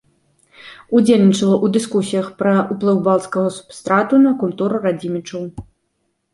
Удзельнічала ў дыскусіях пра ўплыў балцкага субстрату на культуру радзімічаў.